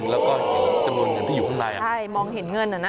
แล้วก็จะเห็นเงินที่อยู่ข้างใน